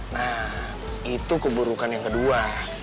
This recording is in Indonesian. nah itu keburukan yang kedua